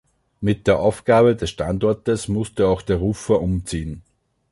Mit der Aufgabe des Standortes musste auch der Rufer umziehen.